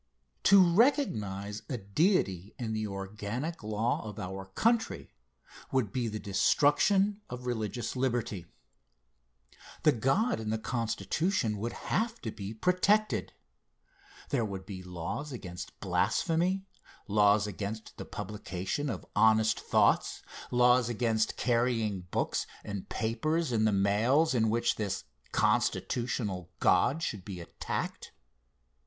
To recognize a Deity in the organic law of our country would be the destruction of religious liberty. The God in the Constitution would have to be protected. There would be laws against blasphemy, laws against the publication of honest thoughts, laws against carrying books and papers in the mails in which this constitutional God should be attacked.